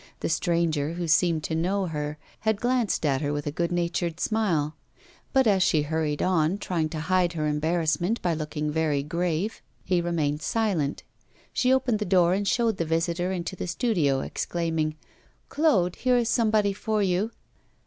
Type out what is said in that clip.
The stranger, who seemed to know her, had glanced at her with a good natured smile; but as she hurried on, trying to hide her embarrassment by looking very grave, he remained silent. She opened the door and showed the visitor into the studio, exclaiming: 'Claude, here is somebody for you.